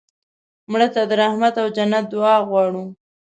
مړه ته د رحمت او جنت دعا غواړو